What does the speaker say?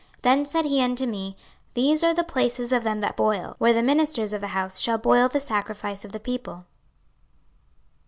26:046:024 Then said he unto me, These are the places of them that boil, where the ministers of the house shall boil the sacrifice of the people.